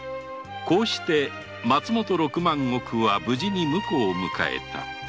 こうして松本六万石は無事に婿を迎えた